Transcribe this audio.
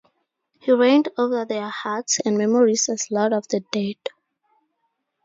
He reigned over their hearts and memories as lord of the dead.